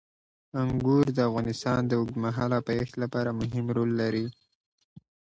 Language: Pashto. انګور د افغانستان د اوږدمهاله پایښت لپاره مهم رول لري.